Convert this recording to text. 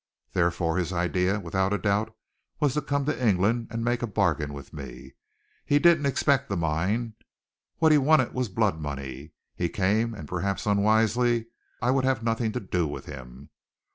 Therefore, his idea, without a doubt, was to come to England and make a bargain with me. He didn't expect the mine. What he wanted was blood money. He came, and, perhaps unwisely, I would have nothing to do with him.